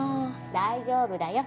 大丈夫だよ。